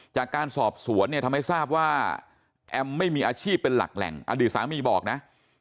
จากการสอบสวนเนี่ยทำให้ทราบว่าแอมไม่มีอาชีพเป็นหลักแหล่งอดีตสามีบอกนะ